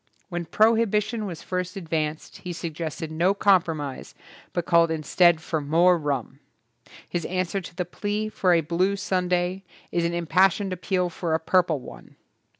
When prohibition was first advanced he suggested no compromise but called instead for more rum. His answer to the plea for a blue Sunday is an im passioned appeal for a purple one.